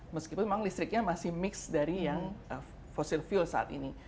meskipun memang listriknya masih mix dari yang fossil fuel saat ini